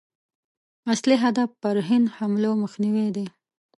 اصلي هدف پر هند حملو مخنیوی دی.